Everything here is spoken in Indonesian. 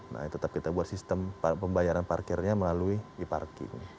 nah tetap kita buat sistem pembayaran parkirnya melalui e parking